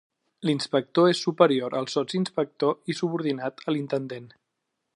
L'inspector és superior al sotsinspector i subordinat a l'intendent.